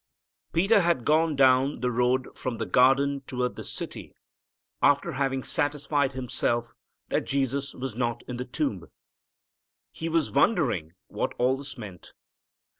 Peter has gone down the road from the garden toward the city after having satisfied Himself that Jesus was not in the tomb. He was wondering what all this meant.